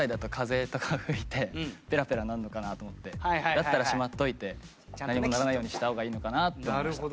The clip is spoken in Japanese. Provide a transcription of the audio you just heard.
これ浩大君Ｂ？だったらしまっといて何もならないようにした方がいいのかなと思いました。